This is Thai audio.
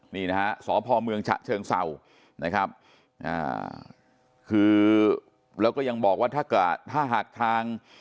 นี่นะฮะสพเมืองฉะเชิงเศร้านะครับอ่าคือแล้วก็ยังบอกว่าถ้าเกิดถ้าหากทาง